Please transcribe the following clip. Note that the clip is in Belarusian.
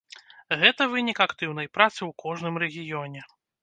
Гэта вынік актыўнай працы ў кожным рэгіёне.